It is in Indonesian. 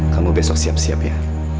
kamu besok siap siap ya